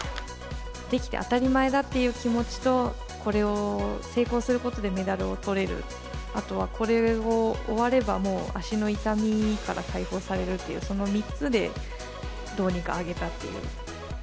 できて当たり前っていう気持ちと、これを成功することでメダルをとれる、あとはこれを終わればもう、足の痛みから解放されるっていう、その３つでどうにか挙げたっていう。